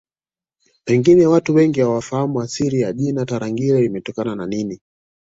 Pengine watu wengi hawafahamu asili ya jina Tarangire limetokana na nini